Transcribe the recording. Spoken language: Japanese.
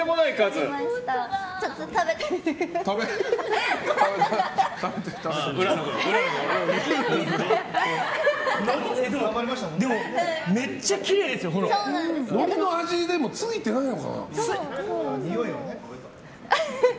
のりの味、ついてないのかな。